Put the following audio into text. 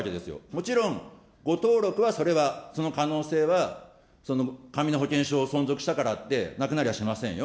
もちろん誤登録は、それはその可能性は、紙の保険証を存続したからってなくなりゃしませんよ。